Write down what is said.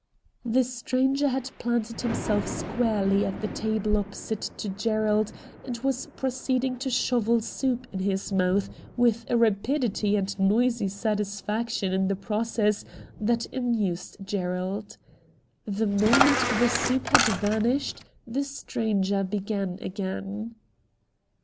The stranger had planted himself squarely at the table opposite to Gerald and was pro ceeding to shovel soup into his mouth with a rapidity and noisy satisfaction in the process that amused Gerald. The moment the soup had vanished the stranger began again.